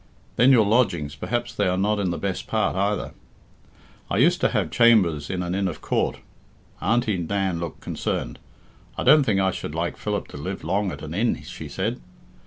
Then your lodgings, perhaps they are not in the best part either." "I used to have chambers in an Inn of Court " Auntie Nan looked concerned. "I don't think I should like Philip to live long at an inn," she said.